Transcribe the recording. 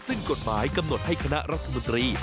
ซึ่งกฎหมายกำหนดให้คณะรัฐมนตรี